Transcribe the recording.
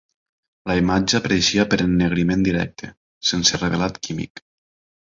La imatge apareixia per ennegriment directe, sense revelat químic.